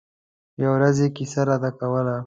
يوه ورځ يې کیسه راته کوله.